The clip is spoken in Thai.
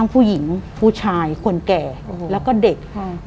ทั้งผู้หญิงผู้ชายคนแก่แล้วก็เด็กพร้อม